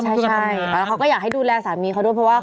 ใช่แล้วเขาก็อยากให้ดูแลสามีเขาด้วยเพราะว่า